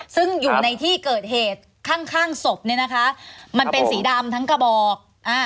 ซึ่งอยู่ในที่เกิดเหตุข้างศพเนี่ยนะคะมันเป็นสีดำทั้งกระบอก